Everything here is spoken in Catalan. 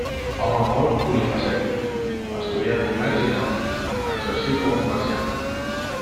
Home molt polifacètic, estudià comerç i nàutica, exercí com a comerciant.